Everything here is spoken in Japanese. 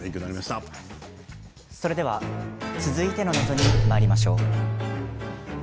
それでは続いての謎にまいりましょう。